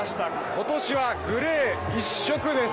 今年はグレー、一色です。